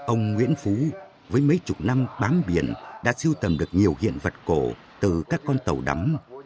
ông nguyễn phú với mấy chục năm bám biển đã siêu tầm được nhiều hiện vật cổ từ các con tàu đắm